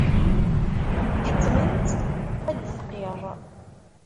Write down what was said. Ḥettmen-tt ad d-tqirr.